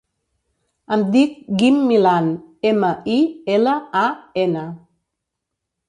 Em dic Guim Milan: ema, i, ela, a, ena.